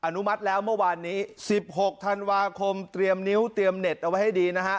อนุมัติแล้วเมื่อวานนี้๑๖ธันวาคมเตรียมนิ้วเตรียมเน็ตเอาไว้ให้ดีนะฮะ